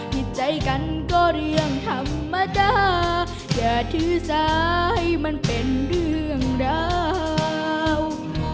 ผิดใจกันก็เรื่องธรรมดาอย่าถือสายมันเป็นเรื่องราว